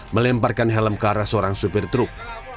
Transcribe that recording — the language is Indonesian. melemparkan helm ke arah seorang supir truk